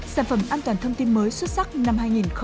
sản phẩm an toàn thông tin mới xuất sắc năm hai nghìn một mươi chín